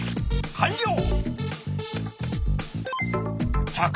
かんりょう！